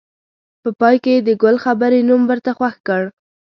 په پای کې یې د ګل خبرې نوم ورته خوښ کړ.